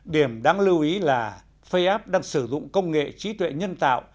điểm đáng lưu ý là faceapp đang sử dụng công nghệ trí tuệ nhân tạo